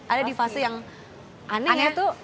ada di fase yang anehnya